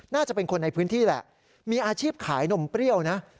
น่าจะเป็นคนในพื้นที่แหละมีอาชีพขายนมเปรี้ยวนะ